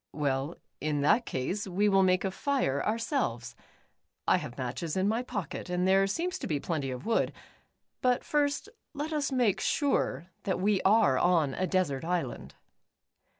"Well, in that case, we will make a fire our selves. I have matches in my pocket, and there, seems to be plenty of wood. But first, let us make sure that we are on a desert island."